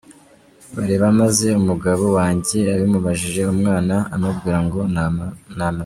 bareba, maze umugabo wange abimubajije umwana aramubwira ngo namaze.